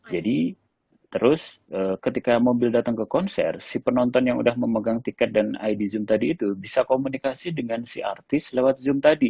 jadi terus ketika mobil datang ke konser si penonton yang udah memegang tiket dan id zoom tadi itu bisa komunikasi dengan si artis lewat zoom tadi